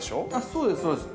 そうですそうです。